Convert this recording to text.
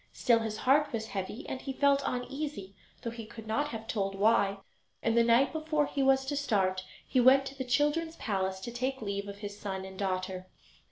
Still his heart was heavy, and he felt uneasy, though he could not have told why; and the night before he was to start he went to the children's palace to take leave of his son and daughter.